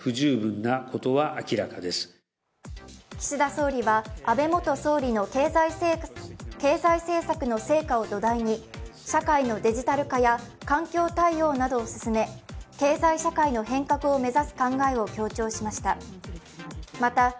岸田総理は安倍元総理の経済政策の成果を土台に、社会のデジタル化や環境対応などを進め経済社会の変革を目指す考えを強調しました。